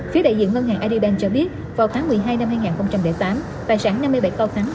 phía đại diện ngân hàng agribank cho biết vào tháng một mươi hai năm hai nghìn tám tài sản năm mươi bảy cao thắng